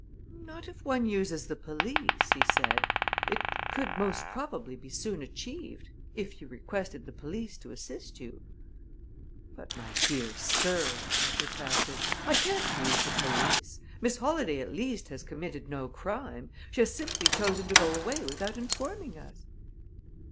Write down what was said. "Not if one uses the police," he said. "It could, most probably, be soon achieved, if you requested the police to assist you." "But, my dear sir," I protested. "I can't use the police. Miss Holladay, at least, has committed no crime; she has simply chosen to go away without informing us."